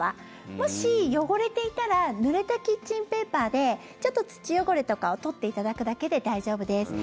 もし、汚れていたらぬれたキッチンペーパーでちょっと土汚れとかを取っていただくだけで大丈夫です。